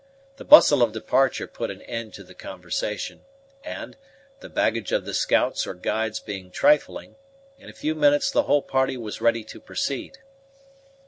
The bustle of departure put an end to the conversation, and, the baggage of the scouts or guides being trifling, in a few minutes the whole party was ready to proceed.